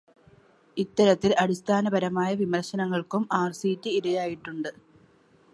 ഇത്തരത്തിൽ അടിസ്ഥാനപരമായ വിമർശങ്ങൾക്കും ആർസിറ്റി ഇരയായിട്ടുണ്ട്.